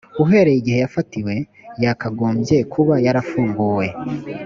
uhereye igihe yafatiwe yakagobye kuba yarafunguwe